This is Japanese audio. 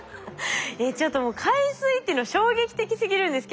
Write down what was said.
ちょっともう海水っていうの衝撃的すぎるんですけど。